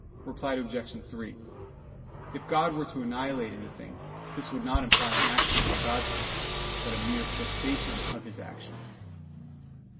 Reply Obj. 3: If God were to annihilate anything, this would not imply an action on God's part; but a mere cessation of His action.